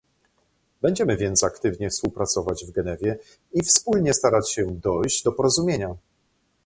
Będziemy więc aktywnie współpracować w Genewie i wspólnie starać się dojść do porozumienia